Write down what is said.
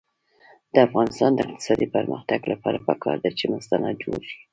د افغانستان د اقتصادي پرمختګ لپاره پکار ده چې مستند جوړ شي.